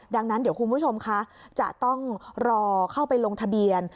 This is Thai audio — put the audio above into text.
ดังนั้นเดี๋ยวคุณผู้ชมคะจะต้องรอเข้าไปลงทะเบียน